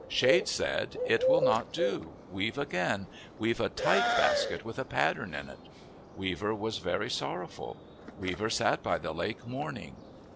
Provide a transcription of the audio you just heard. Shade said, " It will not do. Weave again. Weave a tight basket with a pattern in it." Weaver was very sorrowful. Weaver sat by the lake mourn ing.